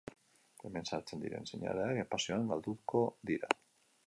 Hemen sartzen diren seinaleak espazioan galduko dira.